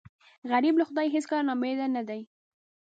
غریب له خدایه هېڅکله نا امیده نه دی